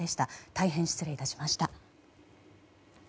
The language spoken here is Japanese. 大変失礼いたしました。